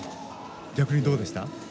逆にどうでした？